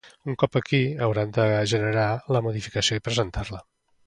Un cop aquí hauran de generar la modificació i presentar-la.